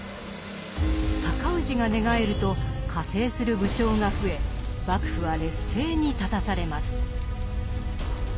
高氏が寝返ると加勢する武将が増え幕府は劣勢に立たされます。